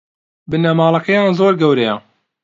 بنەماڵەکەیان زۆر گەورەیە